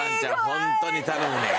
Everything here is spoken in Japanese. ホントに頼むよ。